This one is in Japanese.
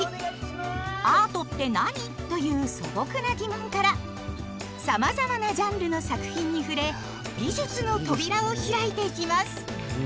「アートって何？」という素朴な疑問からさまざまなジャンルの作品に触れ美術の扉を開いていきます。